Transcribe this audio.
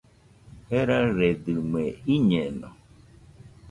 Jeraɨredɨmɨe, iñeno